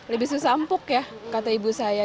lebih susah empuk ya kata ibu saya